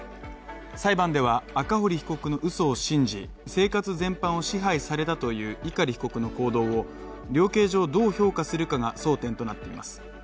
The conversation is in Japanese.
裁判では、赤堀被告のうそを信じ、生活全般を支配されたという碇被告の行動を、量刑上どう評価するかが争点となっています。